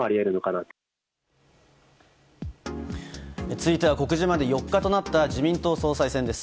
続いては告示まで４日となった自民党総裁選です。